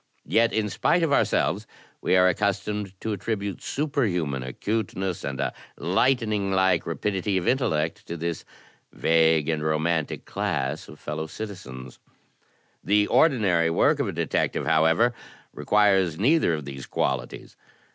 Yet in spite of ourselves we are accus tomed to attribute superhuman acuteness and a lightning like rapidity of intellect to this vague and romantic class of fellow citizens. The ordinary work of a detective, however, requires neither of these qualities.